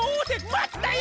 まったや！